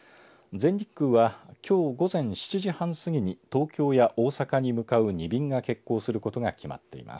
全日空はきょう午前７時半すぎに東京や大阪に向かう２便が欠航することが決まっています。